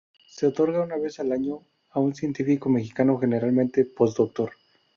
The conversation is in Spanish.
Se otorga una vez al año a un científico mexicano, generalmente post-doctor.